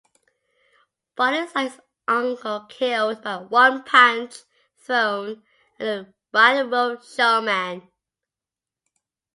Bartley saw his uncle killed by one punch thrown by a rogue showman.